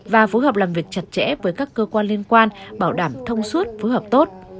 và phối hợp làm việc chặt chẽ với các cơ quan liên quan bảo đảm thông suốt phối hợp tốt